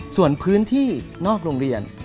ส่วนพื้นที่นอกโรงเรียน